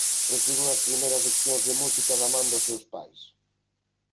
Recibiu as súas primeiras leccións de música da man dos seus pais.